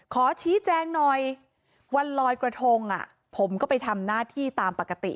ขอชี้แจงหน่อยวันลอยกระทงผมก็ไปทำหน้าที่ตามปกติ